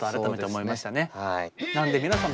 はい。